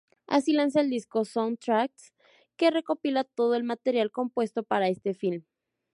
Así, lanza el disco "Soundtracks", que recopila todo el material compuesto para ese film.